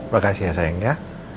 makasih ya sayang ya